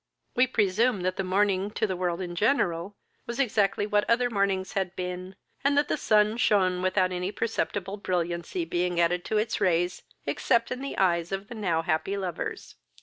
We presume that the morning, to the world in general, was exactly like what other mornings had been, and that the sun shone without any perceptible brilliancy being added to its rays, except in the eyes of the now happy lovers.